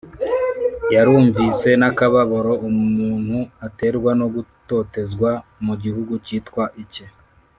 Yarumvise n akababaro umuntu aterwa no gutotezwa mu gihugu cyitwa icye